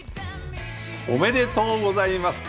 おめでとうございます。